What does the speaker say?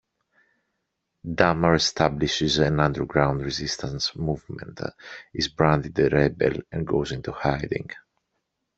Damar establishes an underground resistance movement, is branded a rebel, and goes into hiding.